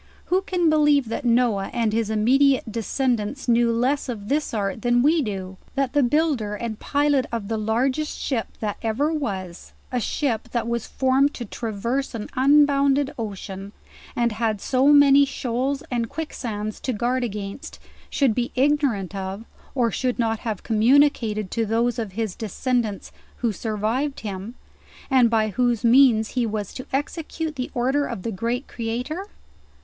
Who can believe that Noah and his immediate descendants knew less of this art than we do] that the builder and pilot of the largest ship that ever was, a ship that was formed to tra verse an unbounded ocean, and had so many shoals and quick sands to guard against, should be ignorant of, or should not have communicated to those of his descendants who survived him, and by whose means he was to execute the order of the Great Creator?